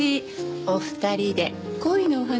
お二人で恋のお話ですか？